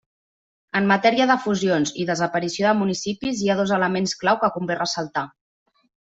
En matèria de fusions i desaparició de municipis hi ha dos elements clau que convé ressaltar.